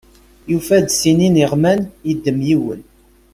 Yufa-d sin iniɣman, yeddem yiwen.